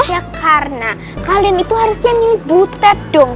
ya karena kalian itu harusnya nih butet dong